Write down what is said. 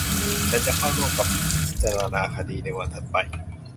ฉันจะเข้าร่วมกับพิจารณาคดีในวันถัดไป